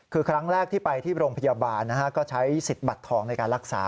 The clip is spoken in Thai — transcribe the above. คือครั้งแรกที่ไปที่โรงพยาบาลก็ใช้สิทธิ์บัตรทองในการรักษา